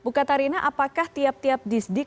bukatarina apakah tiap tiap disdik